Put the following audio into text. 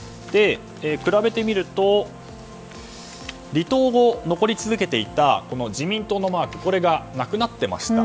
比べてみると離党後、残り続けていた自民党のマークがなくなっていました。